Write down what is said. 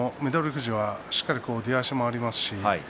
富士はしっかり出足もありますし。